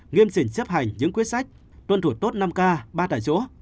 nghiêm chỉnh chấp hành những quyết sách tuân thủ tốt năm k ba tại chỗ